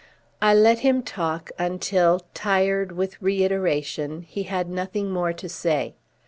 I let him talk, until, tired with reiteration, he had nothing more to say.